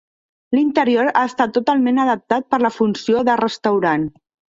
L’interior ha estat totalment adaptat per la funció de restaurant.